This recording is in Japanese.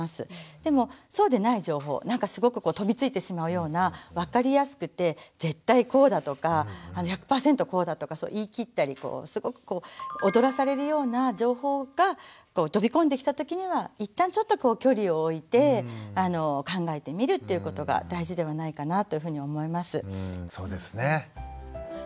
でもそうでない情報なんかすごく飛びついてしまうような分かりやすくて「絶対こうだ」とか「１００％こうだ」とか言い切ったりすごく踊らされるような情報が飛び込んできた時には一旦ちょっと距離を置いて考えてみるっていうことが大事ではないかなというふうに思います。